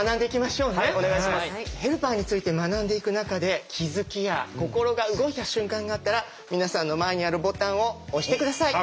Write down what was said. ヘルパーについて学んでいく中で気付きや心が動いた瞬間があったら皆さんの前にあるボタンを押して下さい。